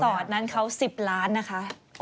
สอดนั้นเขา๑๐ล้านนะคะ